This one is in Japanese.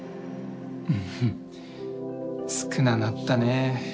うん少ななったね。